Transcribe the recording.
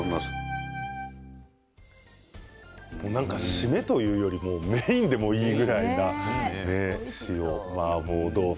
締めというよりもメインでもいいぐらいな。